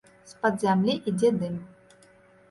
З-пад зямлі ідзе дым.